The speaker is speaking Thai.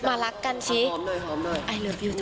มารักกันชิหอมหน่อยหอมหน่อย